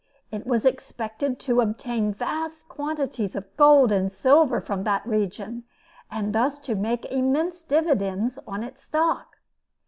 It was expected to obtain vast quantities of gold and silver from that region, and thus to make immense dividends on its stock.